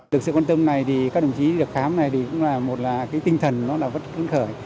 được sự quan tâm này các đồng chí được khám này cũng là một tinh thần vất vấn khởi